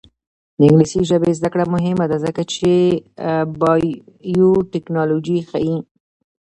د انګلیسي ژبې زده کړه مهمه ده ځکه چې بایوټیکنالوژي ښيي.